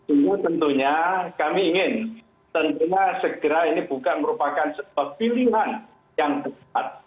ini tentunya kami ingin tentunya segera ini bukan merupakan sebuah pilihan yang tepat